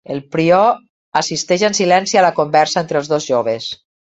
El prior assisteix en silenci a la conversa entre els dos joves.